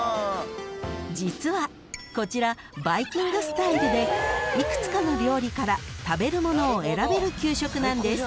［実はこちらバイキングスタイルで幾つかの料理から食べるものを選べる給食なんです］